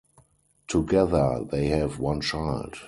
Together they have one child.